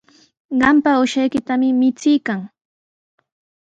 Qampa uushaykitami michiykan.